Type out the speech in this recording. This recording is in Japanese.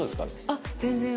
あっ全然。